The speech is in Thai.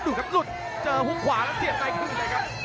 ดูครับหลุดเจอหุ้มขวาแล้วเสียบในครึ่งเลยครับ